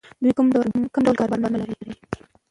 دوی کوم ډول کاروبار لري؟